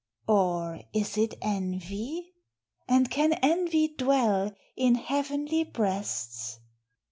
Or is it envy? and can envy dwell In heavenly breasts?